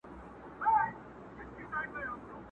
o د کم بخته، غول بې وخته٫